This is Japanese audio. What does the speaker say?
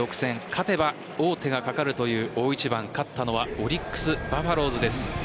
勝てば王手がかかるという大一番勝ったのはオリックス・バファローズです。